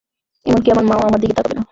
এমনকি আমার মাও আমার দিকে তাকাবে না।